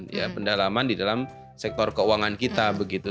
ya pendalaman di dalam sektor keuangan kita begitu